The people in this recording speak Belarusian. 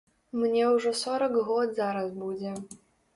Мне ўжо сорак год зараз будзе.